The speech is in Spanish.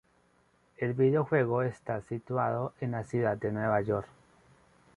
El videojuego está situado en la Ciudad de Nueva York.